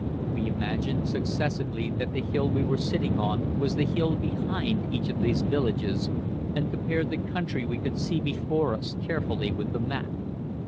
We imagined successively that the hill we were sitting on was the hill behind each of these villages, and compared the country we could see before us carefully with the map.